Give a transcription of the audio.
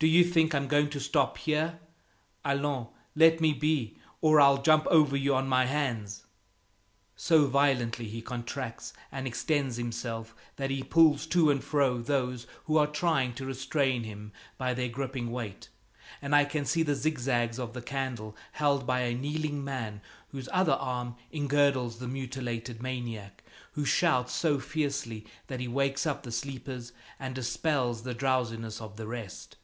Do you think I'm going to stop here? Allons, let me be, or I'll jump over you on my hands!" So violently he contracts and extends himself that he pulls to and fro those who are trying to restrain him by their gripping weight, and I can see the zigzags of the candle held by a kneeling man whose other arm engirdles the mutilated maniac, who shouts so fiercely that he wakes up the sleepers and dispels the drowsiness of the rest.